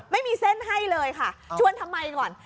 ไม่มีเส้นให้เลยค่ะชวนทำไมก่อน